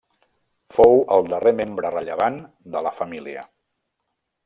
Fou el darrer membre rellevant de la família.